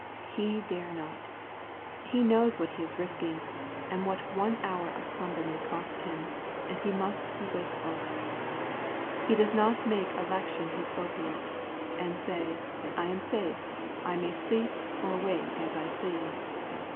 He dare not; he knows what he is risking, and what one hour of slumber may cost him ; and he must be wakefuL He does not make election his opiate, and say, I am safe, I may sleep or wake as I please.